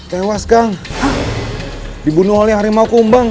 tewas kang dibunuh oleh harimau kumbang